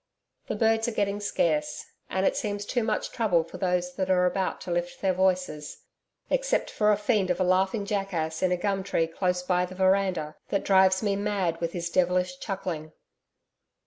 The birds are getting scarce, and it seems too much trouble for those that are about to lift their voices. Except for a fiend of a laughing jackass in a gum tree close by the veranda that drives me mad with his devilish chuckling.